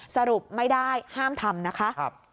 สรุปไม่ได้ห้ามทำนะคะ